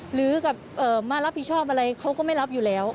หรือมารับผิดชอบอะไรเขาก็ไม่รับอยู่แล้ว